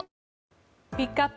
ピックアップ